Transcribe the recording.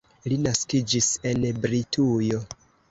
Li naskiĝis en Britujo.